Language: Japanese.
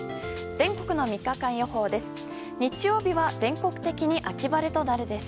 全国の３日間予報です。